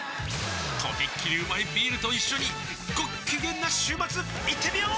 とびっきりうまいビールと一緒にごっきげんな週末いってみよー！